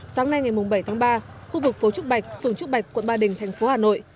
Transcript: sáng nay ngày bảy tháng ba khu vực phố trúc bạch phường trúc bạch quận ba đình thành phố hà nội